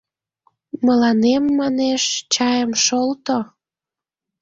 Мыланем, манеш, чайым шолто.